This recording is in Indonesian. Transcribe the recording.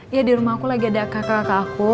ya di rumah aku lagi ada kakak kakak aku